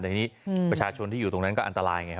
แต่ประชาชนที่อยู่ตรงนั้นก็อันตราย